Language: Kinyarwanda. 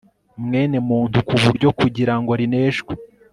mwene muntu ku buryo kugira ngo rineshwe